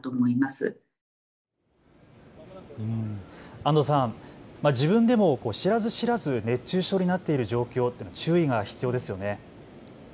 安藤さん、自分でも知らず知らず熱中症になっている状況、注意が必要ですよね。